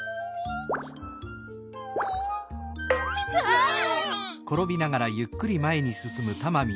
あっ！